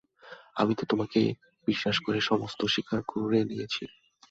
আমি তো তোমাকেই বিশ্বাস করে সমস্ত স্বীকার করে নিয়েছি।